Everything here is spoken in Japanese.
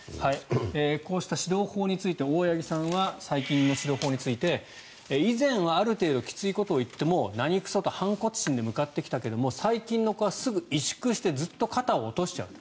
こうした指導法について大八木さんは最近の指導法について以前はある程度きついことを言ってもなにくそと反骨心で向かってきたけれど最近の子はすぐに萎縮してずっと肩を落としちゃうと。